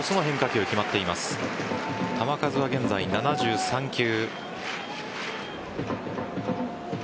球数は現在７３球。